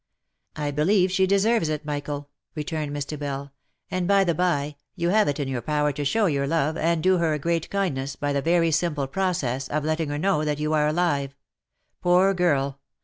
" I believe she deserves it, Michael," returned Mr. Bell, "and, by the by, you have it in your power to show your love, and do her a great kindness by the very simple process of letting her know that you are alive. Poor girl